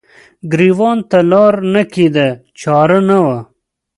ګریوان ته لار نه کیده چار نه وه